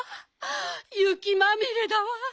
ゆきまみれだわ。